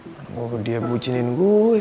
mana mau dia bucinin gue